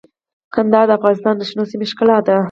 کندهار د افغانستان د شنو سیمو ښکلا ده.